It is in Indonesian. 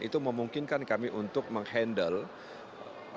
itu memungkinkan kami untuk menghandle